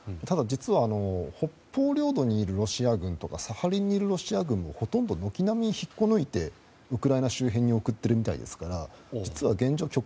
ただ、実は北方領土にいるロシア軍とかサハリンにいるロシア軍とかをほとんど軒並み引っこ抜いてウクライナ周辺に送っているみたいですから実は現状